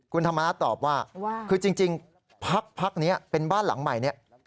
คุณธรรมนัฐตอบว่าคือจริงพักนี้เป็นบ้านหลังใหม่เนี่ย